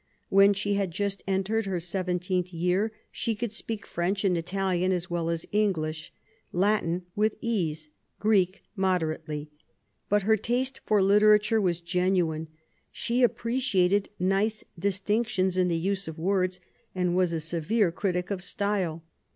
When she had just entered her seventeenth year she could speak French and Italian as well as English ; Latin with ease, Greek moderately. But her taste for literature was genuine : she appreciated nice 4istincti9ns in the use of words, and was a i8 QUEEN ELIZABETH, severe critic of style.